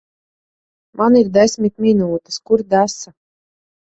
Man ir desmit minūtes. Kur desa?